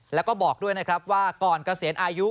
และก็บอกด้วยว่าก่อนเกษียณอายุ